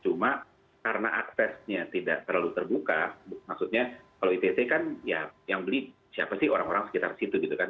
cuma karena aksesnya tidak terlalu terbuka maksudnya kalau itt kan ya yang beli siapa sih orang orang sekitar situ gitu kan